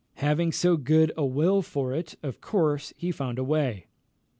Having so good a will for it, of course he found a way.